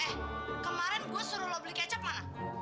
eh kemarin gue suruh lo beli kecap mana